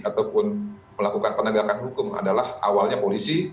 ataupun melakukan penegakan hukum adalah awalnya polisi